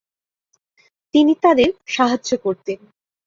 তিনি তাদের সাহায্য করতেন।